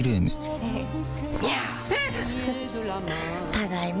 ただいま。